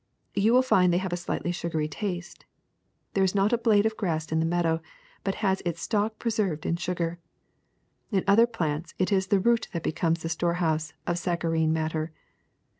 You will find they have a slightly sugarj^ taste. There is not a blade of grass in the meadow but has its stalk preserved in sugar. In other plants it is the root that becomes the store house of saccharine matter.